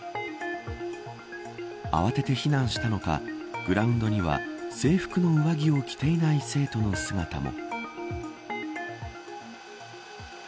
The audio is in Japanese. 慌てて避難したのかグラウンドには、制服の上着を着ていない生徒の姿も。